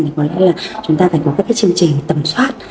thì có lẽ là chúng ta phải có các cái chương trình tầm soát